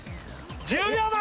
１０秒前！